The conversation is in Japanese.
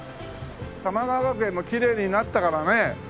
玉川学園もきれいになったからね。